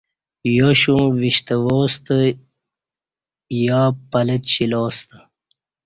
یاشوں وِشتہ واستہ یاپلہ چِلاستہ